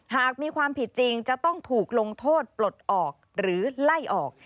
หากมีความผิดจริงจะต้องถูกลงโทษปลดออกหรือไล่ออก